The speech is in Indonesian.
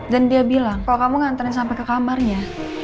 dan dia bilang kalau kamu nganterin sampai ke kamarnya